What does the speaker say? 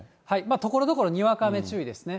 ところどころにわか雨注意ですね。